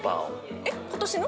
えっ今年の？